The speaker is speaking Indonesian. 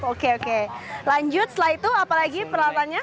oke oke lanjut setelah itu apa lagi perlatannya